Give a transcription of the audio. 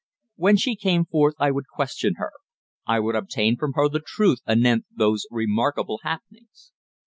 When she came forth I would question her; I would obtain from her the truth anent those remarkable happenings.